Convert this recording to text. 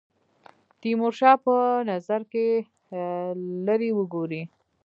تیمورشاه په نظر کې لري وګوري.